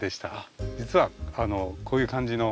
実はこういう感じの。